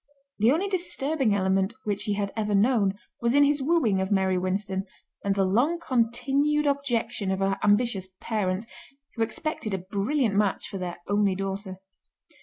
The only disturbing element which he had ever known was in his wooing of Mary Winston, and the long continued objection of her ambitious parents, who expected a brilliant match for their only daughter.